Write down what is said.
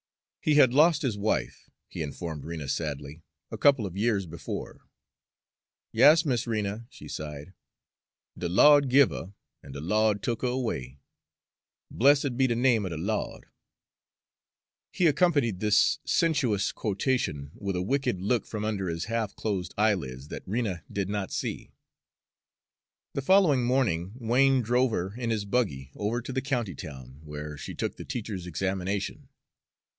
He had lost his wife, he informed Rena sadly, a couple of years before. "Yas, Miss Rena," she sighed, "de Lawd give her, an' de Lawd tuck her away. Blessed be de name er de Lawd." He accompanied this sententious quotation with a wicked look from under his half closed eyelids that Rena did not see. The following morning Wain drove her in his buggy over to the county town, where she took the teacher's examination.